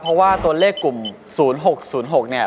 เพราะว่าตัวเลขกลุ่ม๐๖๐๖เนี่ย